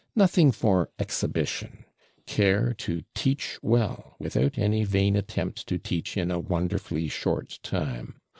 Nothing for exhibition; care to teach well, without any vain attempt to teach in a wonderfully short time.